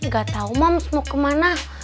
gak tau moms mau kemana